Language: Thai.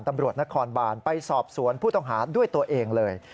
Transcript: ตำรวจนครบานไปสอบสวนผู้ต้องหาด้วยตัวเองเลย